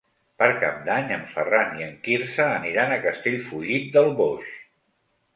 Per Cap d'Any en Ferran i en Quirze aniran a Castellfollit del Boix.